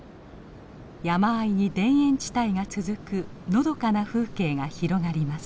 山あいに田園地帯が続くのどかな風景が広がります。